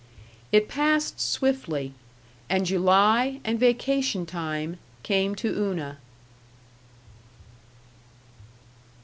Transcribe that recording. It passed swiftly, and July and vacation time came to Una.